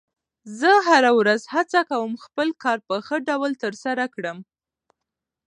زه هره ورځ هڅه کوم خپل کار په ښه ډول ترسره کړم